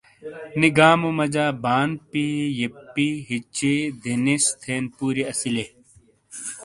نی گامو مجا بانپی، یپپی، ہچچی، دینیس، تھین پوریی اسیلے۔